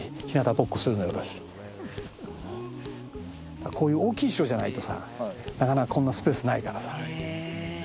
だからこういう大きい城じゃないとさなかなかこんなスペースないからさ。